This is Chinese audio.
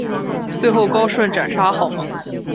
最后高顺斩杀郝萌。